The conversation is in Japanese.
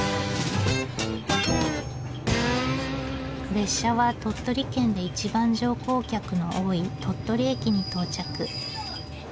列車は鳥取県で一番乗降客の多い鳥取駅に到着。